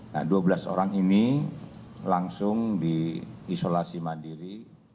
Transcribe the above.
nah dua belas orang ini langsung diisolasi mandiri